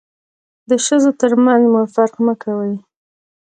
د ښځو تر منځ مو فرق مه کوئ.